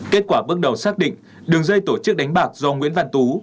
kết quả bước đầu xác định đường dây tổ chức đánh bạc do nguyễn văn tú